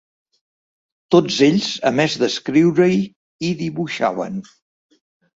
Tots ells a més d'escriure-hi hi dibuixaven.